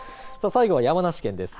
最後は山梨県です。